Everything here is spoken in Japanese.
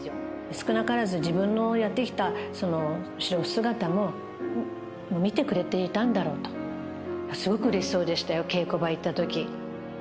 少なからず自分のやって来た後ろ姿も見てくれていたんだろうと、すごくうれしそうでしたよ、稽古場行ったとき。